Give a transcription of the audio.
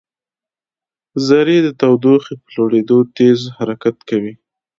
ذرې د تودوخې په لوړېدو تېز حرکت کوي.